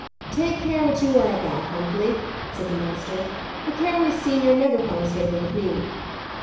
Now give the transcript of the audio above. "Take care what you are about, Huntley," said the master. "A careless senior never finds favour with me."